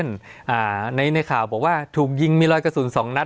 สวัสดีครับทุกผู้ชม